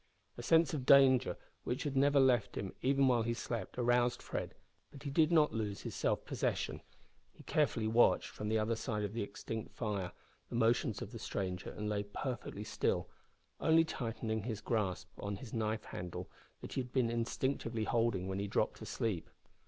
A sense of danger, which had never left him even while he slept, aroused Fred, but he did not lose his self possession. He carefully watched, from the other side of the extinct fire, the motions of the stranger, and lay perfectly still only tightening his grasp on the knife handle that he had been instinctively holding when he dropped asleep.